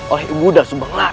oleh ibu dastur banglar